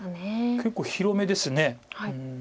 結構広めですね。